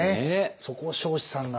そこを彰子さんが。